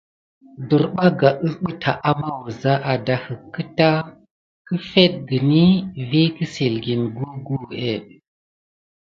Derɓaga usɓeta ama wuza, adahek keta kəfekgeni vi kəsilgen gugu ə.